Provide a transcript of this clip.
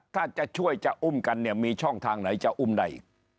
ถ้าจะช่วยจะอุ้มกันเนี่ยมีช่องทางไหนจะอุ้มได้อีก